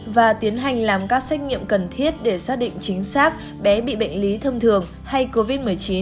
và tiến hành làm các xét nghiệm cần thiết để xác định chính xác bé bị bệnh lý thông thường hay covid một mươi chín